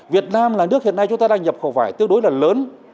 việt nam là nước hiện nay chúng ta đang nhập khẩu vải tương đối là lớn